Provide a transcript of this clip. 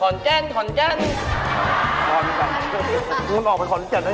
แล้วมันเลื่อมไปอย่างไร